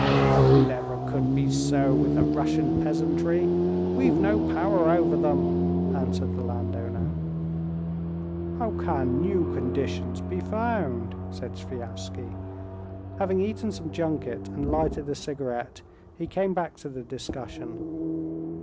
"That never could be so with the Russian peasantry; we've no power over them," answered the landowner. "How can new conditions be found?" said Sviazhsky. Having eaten some junket and lighted a cigarette, he came back to the discussion.